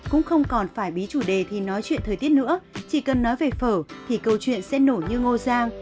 cũng không còn phải bí chủ đề thì nói chuyện thời tiết nữa chỉ cần nói về phở thì câu chuyện sẽ nổ như ngô giang